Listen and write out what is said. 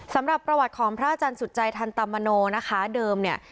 สำหรับประวัติของพระอาจารย์สุดใจทันตมโนนะคะเดิมเนี่ย